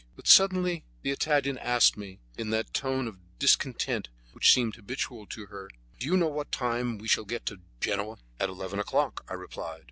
But suddenly the Italian asked me, in that tone of discontent which seemed habitual to her, "Do you know at what time we shall get to Genoa?" "At eleven o'clock," I replied.